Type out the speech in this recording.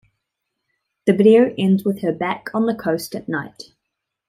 The video ends with her back on the coast at night.